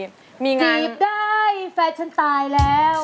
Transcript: หนีบได้แฟนฉันตายแล้ว